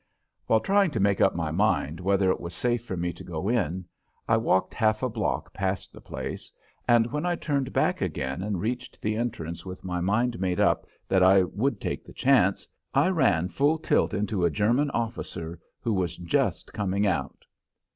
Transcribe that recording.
While trying to make up my mind whether it was safe for me to go in, I walked half a block past the place, and when I turned back again and reached the entrance with my mind made up that I would take the chance I ran full tilt into a German officer who was just coming out!